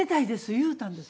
言うたんです。